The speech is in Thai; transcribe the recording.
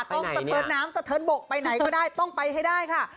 ต้องสะเทินน้ำสะเทินบกไปไหนก็ได้ต้องไปให้ได้ค่ะ